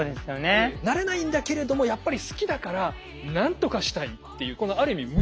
なれないんだけれどもやっぱり好きだからなんとかしたいっていうある意味無駄なあがきですよね。